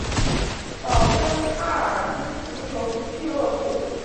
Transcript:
保顿艾尔宾足球俱乐部。